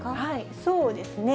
そうですね。